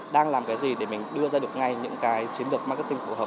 đang làm cái gì để mình đưa ra được ngay những cái chiến lược marketing phù hợp